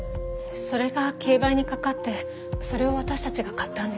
それが競売にかかってそれを私たちが買ったんです。